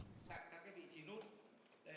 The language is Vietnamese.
các vị trí lúc để đạt được sự đồng thuận của người dân